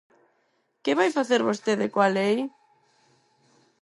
¿Que vai facer vostede coa lei?